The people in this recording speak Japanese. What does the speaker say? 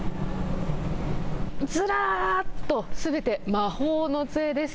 ずらーっと、すべて魔法の杖です。